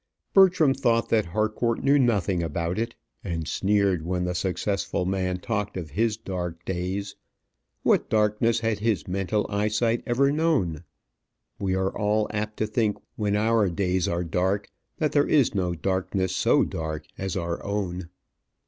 Bertram thought that Harcourt knew nothing about it, and sneered when the successful man talked of his dark days. What darkness had his mental eyesight ever known? We are all apt to think when our days are dark that there is no darkness so dark as our own.